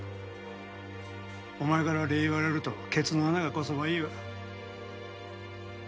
お前から礼言われるとケツの穴がこそばいいわ。